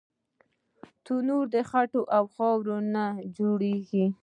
تنور د خټو او خاورو نه جوړېږي